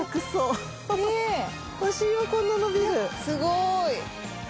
すごーい。